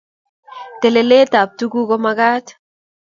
Telelet ab tuguk komakat